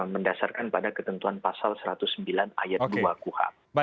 mendasarkan pada ketentuan pasal satu ratus sembilan ayat dua kuhap